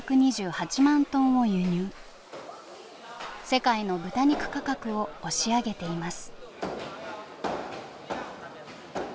世界の豚肉価格を押し上げています。